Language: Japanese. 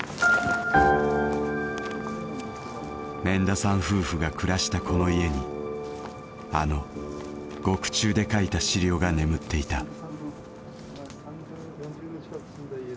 免田さん夫婦が暮らしたこの家にあの獄中で書いた資料が眠っていた。